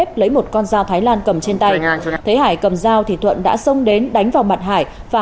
ép lấy một con dao thái lan cầm trên tay thấy hải cầm dao thì thuận đã xông đến đánh vào mặt hải và